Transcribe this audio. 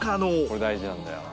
これ大事なんだよな。